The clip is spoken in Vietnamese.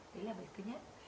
đấy là vấn đề thứ nhất